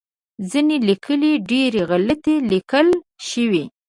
ځینې لیکنې ډیری غلطې لیکل شوی